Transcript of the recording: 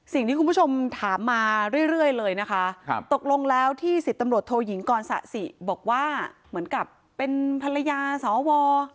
สิ่งที่คุณผู้ชมถามมาเรื่อยเลยนะคะตกลงแล้วที่สิบตำรวจโทยิงกรสะสิบอกว่าเหมือนกับเป็นภรรยาสว